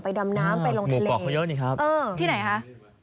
ไปดำน้ำไปลงทะเลเออที่ไหนฮะมูเกาะเขาเยอะนี่ครับ